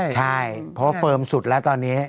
ใช่เพราะว่าเฟิร์มสุดแล้วตอนนี้